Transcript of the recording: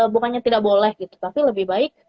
bukannya tidak boleh gitu tapi lebih baik